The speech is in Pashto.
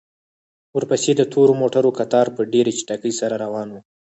ورپسې د تورو موټرو کتار په ډېرې چټکۍ سره روان و.